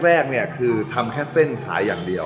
แรกเนี่ยคือทำแค่เส้นขายอย่างเดียว